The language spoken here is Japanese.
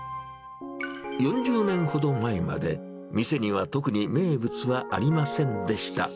４０年ほど前まで、店には特に名物はありませんでした。